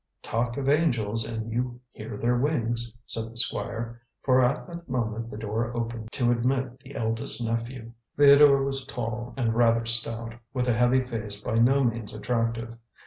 "Talk of angels and you hear their wings," said the Squire, for at that moment the door opened to admit the eldest nephew. Theodore was tall and rather stout, with a heavy face by no means attractive.